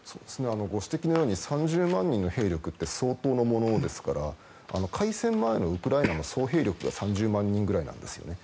ご指摘のように３０万人の兵力って相当のものですから開戦前のウクライナの総兵力が３０万人くらいなんですよね。